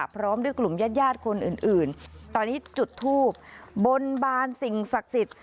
พร้อมด้วยกลุ่มญาติญาติคนอื่นตอนนี้จุดทูบบนบานสิ่งศักดิ์สิทธิ์